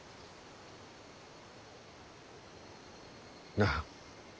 なあ。